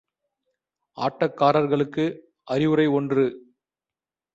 ஆட்டக்காரர்களுக்கு அறிவுரை ஒன்று.